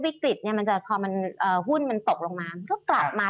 พี่หนิงครับส่วนตอนนี้เนี่ยนักลงทุนอยากจะลงทุนแล้วนะครับเพราะว่าระยะสั้นรู้สึกว่าทางสะดวกนะครับ